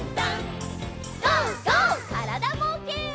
からだぼうけん。